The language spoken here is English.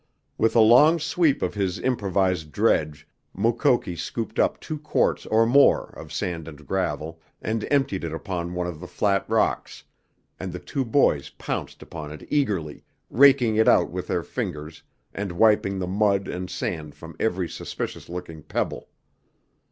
With a long sweep of his improvised dredge Mukoki scooped up two quarts or more of sand and gravel and emptied it upon one of the flat rocks, and the two boys pounced upon it eagerly, raking it out with their fingers and wiping the mud and sand from every suspicious looking pebble.